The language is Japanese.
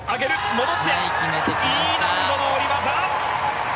戻ってＥ難度の下り技！